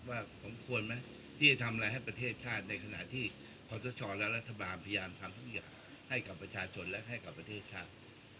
สมควรไหมที่จะทำอะไรให้ประเทศชาติในขณะที่ขอสชและรัฐบาลพยายามทำทุกอย่างให้กับประชาชนและให้กับประเทศชาติ